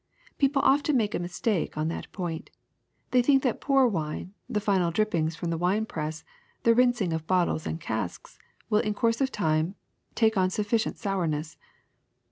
Peo ple often make a mistake on that point: they think that poor mne, the final drippings from the wine press, the rinsings of bottles and casks, will in course of time take on sufficient sourness.